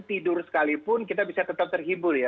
tidur sekalipun kita bisa tetap terhibur ya